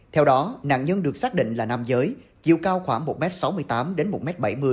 theo đó nạn nhân được xác định là nam giới chiều cao khoảng một m sáu mươi tám đến một m bảy mươi